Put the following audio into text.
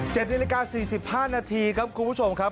เจ็ดในรากา๔๕นาทีครับคุณผู้ชมครับ